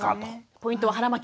ポイントは腹巻き。